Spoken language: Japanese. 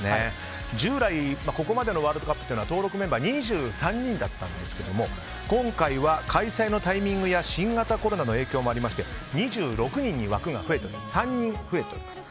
従来、ここまでのワールドカップというのは登録メンバー２３人だったんですが今回は開催のタイミングや新型コロナの影響もありまして２６人に枠が増えて３人増えております。